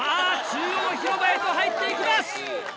中央広場へと入っていきます！